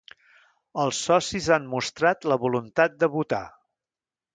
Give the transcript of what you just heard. Els socis han mostrat la voluntat de votar.